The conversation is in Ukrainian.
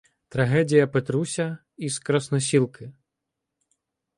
Трагедія Петруся із Красносілки